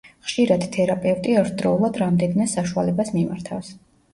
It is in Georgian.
ხშირად თერაპევტი ერთდროულად რამდენიმე საშუალებას მიმართავს.